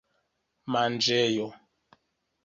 manĝejo